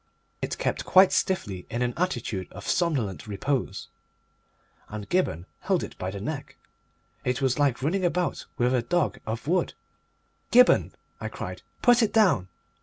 It kept quite stiffly in an attitude of somnolent repose, and Gibberne held it by the neck. It was like running about with a dog of wood. "Gibberne," I cried, "put it down!"